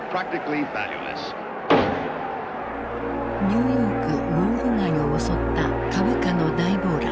ニューヨーク・ウォール街を襲った株価の大暴落。